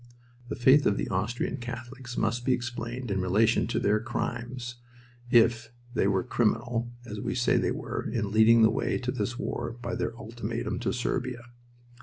The faith of the Austrian Catholics must be explained in relation to their crimes, if they were criminal, as we say they were, in leading the way to this war by their ultimatum to Serbia.